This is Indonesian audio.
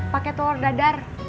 pakai telur dadar